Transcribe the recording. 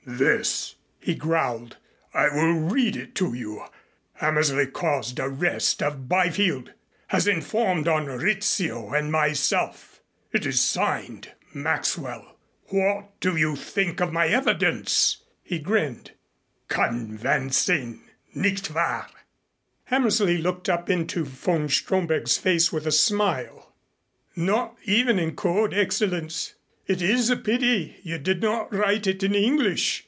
"This," he growled. "I will read it to you. 'Hammersley caused arrest of Byfield. Has informed on Rizzio and myself ' It's signed 'Maxwell.' What do you think of my evidence?" He grinned, "Convincing, nicht wahr?" Hammersley looked up into von Stromberg's face with a smile. "Not even in code, Excellenz? It is a pity you did not write it in English.